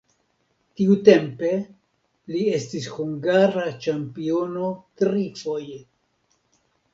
Tiutempe li estis hungara ĉampiono trifoje.